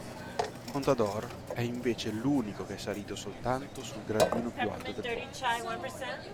Contador è invece l'unico che è salito soltanto sul gradino più alto del podio.